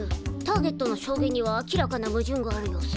ターゲットの証言には明らかなむじゅんがある様子。